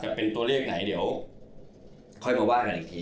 จะเป็นตัวเลขไหนเดี๋ยวค่อยมาว่ากันอีกที